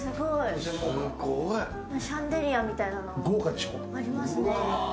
すごい、シャンデリアみたいのもありますね。